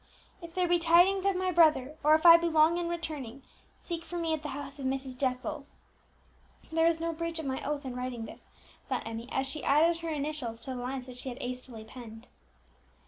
"If there be tidings of my brother, or if I be long in returning, seek for me at the house of Mrs. Jessel." "There is no breach of my oath in writing this," thought Emmie, as she added her initials to the lines which she had hastily penned.